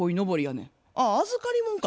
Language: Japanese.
あ預かりもんか。